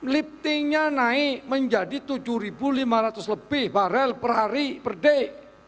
liftingnya naik menjadi tujuh lima ratus lebih barel per hari per day